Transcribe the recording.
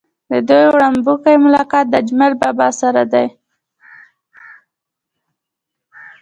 د دوي وړومبے ملاقات د اجمل بابا سره